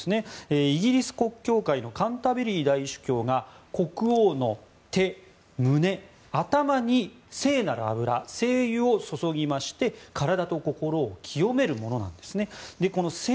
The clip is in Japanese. イギリス国教会のカンタベリー大主教が国王の手、胸、頭に聖なる油、聖油を注ぎまして体と心を清めるものなんですね。